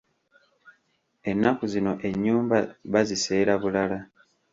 Ennaku zino ennyumba baziseera bulala.